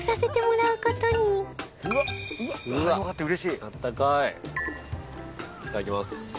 いただきます。